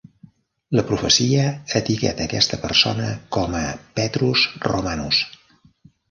La profecia etiqueta aquesta persona com a Petrus Romanus.